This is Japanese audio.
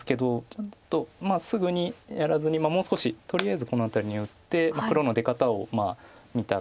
ちょっとすぐにやらずにもう少しとりあえずこの辺りに打って黒の出方を見た感じです。